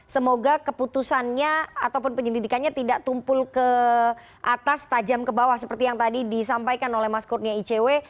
semoga keputusannya ataupun penyelidikannya tidak tumpul ke atas tajam ke bawah seperti yang tadi disampaikan oleh mas kurnia icw